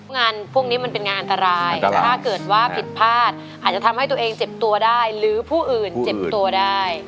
งานพวกนี้มันเป็นงานอันตรายถ้าเกิดว่าผิดพลาดอาจจะทำให้ตัวเองเจ็บตัวได้หรือผู้อื่นเจ็บตัวได้